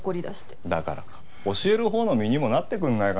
だから教えるほうの身にもなってくんないかな？